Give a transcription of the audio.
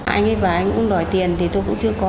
anh ấy và anh cũng đòi tiền thì tôi cũng chưa có